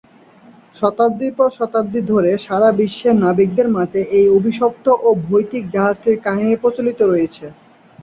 শতাব্দীর পর শতাব্দী ধরে সাড়া বিশ্বে নাবিকদের মাঝে এই অভিশপ্ত ও ভৌতিক জাহাজটির কাহিনী প্রচলিত রয়েছে।